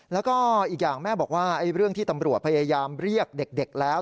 แล้วก็อีกอย่างแม่บอกว่าเรื่องที่ตำรวจพยายามเรียกเด็กแล้ว